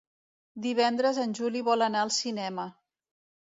Divendres en Juli vol anar al cinema.